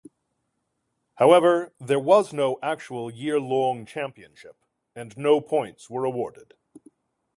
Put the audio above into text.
However, there was no actual year-long championship, and no points were awarded.